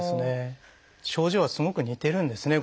症状はすごく似てるんですね